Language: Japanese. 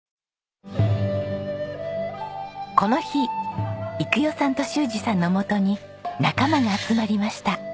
この日育代さんと修二さんのもとに仲間が集まりました。